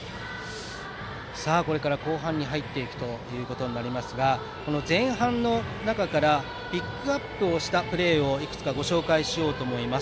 これから後半に入っていくことになりますが前半の中からピックアップしたプレーをいくつかご紹介しようと思います。